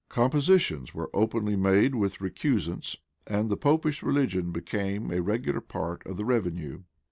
[] Compositions were openly made with recusants, and the Popish religion became a regular part of the revenue.